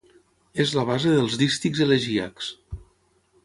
És la base dels dístics elegíacs.